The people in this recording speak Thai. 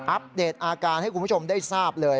อัปเดตอาการให้คุณผู้ชมได้ทราบเลย